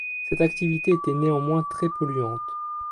Cette activité était néanmoins très polluante.